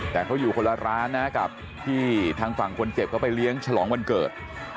แต่เขาอยู่คนละร้านนะกับที่ทางฝั่งคนเจ็บเขาไปเลี้ยงฉลองวันเกิด